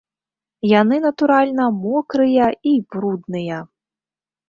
Яны, натуральна, мокрыя і брудныя.